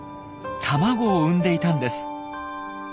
卵を産んでいたんです！